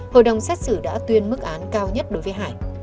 hội đồng xét xử đã tuyên mức án cao nhất đối với hải